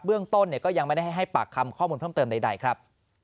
เรื่องต้นก็ยังไม่ได้ให้ปากคำข้อมูลเพิ่มเติมใดครับ